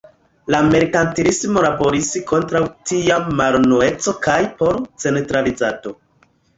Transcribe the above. La merkantilismo laboris kontraŭ tia malunueco kaj por centralizado.